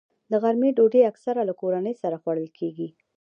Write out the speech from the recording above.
د غرمې ډوډۍ اکثره له کورنۍ سره خوړل کېږي